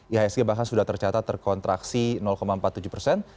ihsg bahkan sudah tercatat terkontraksi empat puluh tujuh persen